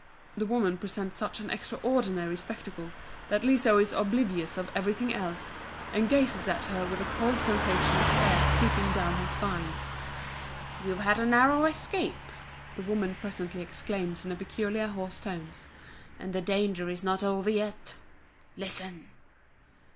The woman presents such an extraordinary spectacle that Liso is oblivious of everything else, and gazes at her with a cold sensation of fear creeping down her spine. "You've had a narrow escape," the woman presently exclaims in peculiarly hoarse tones. "And the danger is not over yet! Listen!"